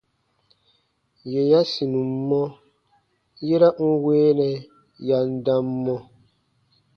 Yè ya sinum mɔ, yera n weenɛ ya n dam mɔ.